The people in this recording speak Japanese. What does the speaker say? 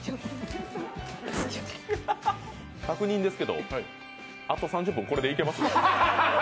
確認ですけどあと３０分これでいけます？